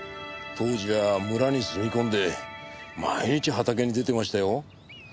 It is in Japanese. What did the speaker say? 当時は村に住み込んで毎日畑に出てましたよ。